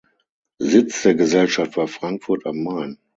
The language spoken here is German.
Sitz der Gesellschaft war Frankfurt am Main.